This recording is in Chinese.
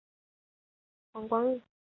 黄光裕现羁押于北京市第二监狱。